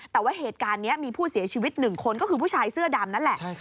แต่ว่าเหตุการณ์นี้มีผู้เสียชีวิต๑คนก็คือผู้ชายเสื้อดำนั่นแหละ